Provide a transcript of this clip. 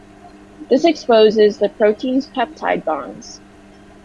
This exposes the protein's peptide bonds.